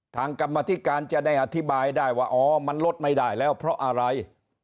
กรรมธิการจะได้อธิบายได้ว่าอ๋อมันลดไม่ได้แล้วเพราะอะไร